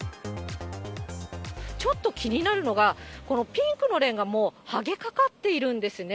ちょっと気になるのが、このピンクのレーンが、もうはげかかっているんですね。